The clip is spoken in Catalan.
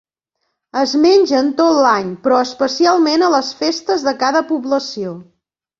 Es mengen tot l'any però especialment a les festes de cada població.